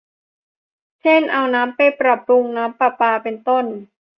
เช่น เอาไปปรับปรุงน้ำประปา เป็นต้น